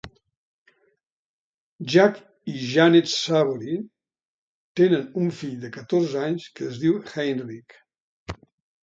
Jack i Janet Savory tenen un fill de catorze anys que es diu Heinrich.